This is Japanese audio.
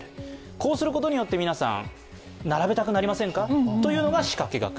こうすることによって皆さん並べたくなりませんか？というのが仕掛学。